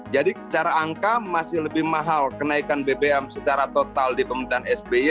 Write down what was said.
jadi secara angka masih lebih mahal kenaikan bbm secara total di pemerintahan sby